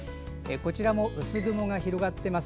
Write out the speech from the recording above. こちらも薄雲が広がってます。